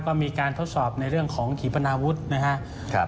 ก็มีการทดสอบในเรื่องของขีปนาวุฒินะครับ